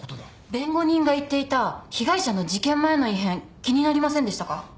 弁護人が言っていた被害者の事件前の異変気になりませんでしたか？